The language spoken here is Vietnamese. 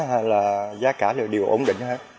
nên là giá cả đều ổn định hết